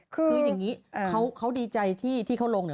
คืออย่างนี้เขาดีใจที่เขาลงเนี่ย